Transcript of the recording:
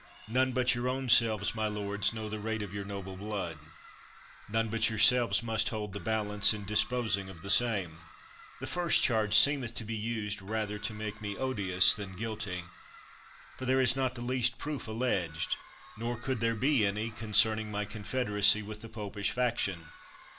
None but your own selves, my lords, know the rate of your noble blood; none but yourselves must hold the balance in dispo sing of the same. The first charge seemeth to be used rather to make me odious than guilty; for there is not the least proof alleged— nor could there be any — concerning my confederacy with the popish fac tion.